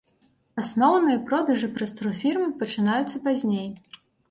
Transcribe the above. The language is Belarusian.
Асноўныя продажы праз турфірмы пачынаюцца пазней.